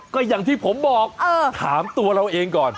ก็อย่างที่ผมบอกถามตัวเราเองก่อน